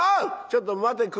「ちょっと待て俥屋。